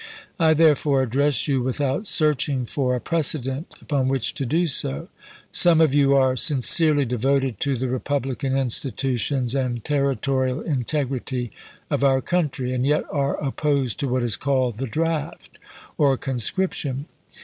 I there fore address yon without searching for a precedent upon which to do so. Some of you are sincerely devoted to the republican institutions and terri torial integrity of our country, and yet are opposed to what is called the draft, or conscription.